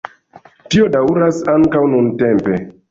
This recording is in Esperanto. Tio daŭras ankaŭ nuntempe.